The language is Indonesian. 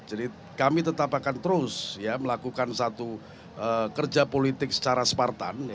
jadi kami tetap akan terus melakukan satu kerja politik secara separtan